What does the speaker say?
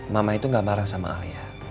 mama itu gak marah sama ayah